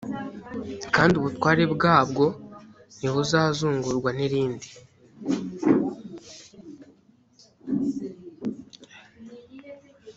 kandi ubutware bwabwo ntibuzazungurwa n irindi